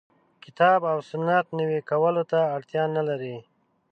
کتاب او سنت نوي کولو ته اړتیا نه لري.